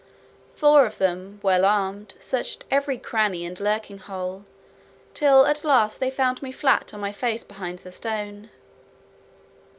Four of them, well armed, searched every cranny and lurking hole, till at last they found me flat on my face behind the stone.